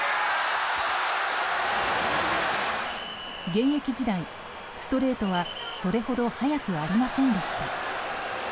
現役時代、ストレートはそれほど速くありませんでした。